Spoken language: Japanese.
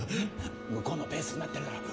向こうのペースになってるだろ。